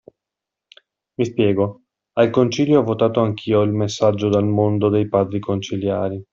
Mi spiego: al Concilio ho votato anch'io il Messaggio al Mondo dei Padri Conciliari.